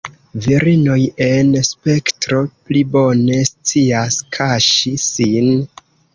Virinoj en spektro pli bone scias kaŝi sin.